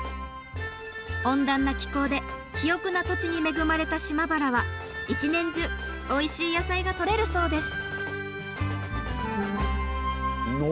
温暖な気候で肥沃な土地に恵まれた島原は一年中おいしい野菜がとれるそうです。